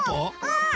うん！